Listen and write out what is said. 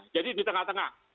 jadi di tengah tengah